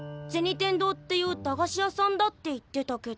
天堂っていう駄菓子屋さんだって言ってたけど。